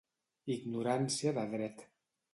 Ignorància de dret.